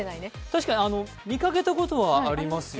確かに見掛けたことはありますよ。